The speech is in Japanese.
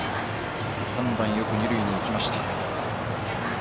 判断よく、二塁に行きました。